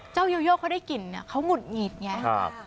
เจ้าโยโยเขาได้กลิ่นเขามุดหงีดอย่างนี้